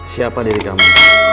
siapa diri kamu